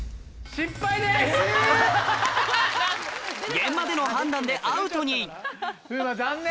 現場での判断でアウトに風磨残念。